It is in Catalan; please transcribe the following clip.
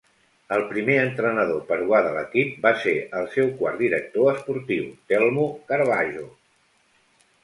El primer entrenador peruà de l'equip va ser el seu quart director esportiu, Telmo Carbajo.